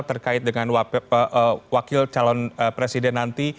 terkait dengan wakil calon presiden nanti